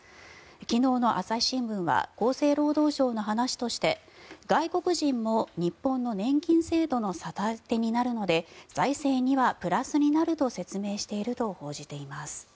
昨日の朝日新聞は厚生労働省の話として外国人も日本の年金制度の支え手になるので財政にはプラスになると説明していると報じています。